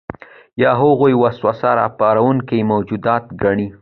یا هغوی وسوسه راپاروونکي موجودات ګڼي.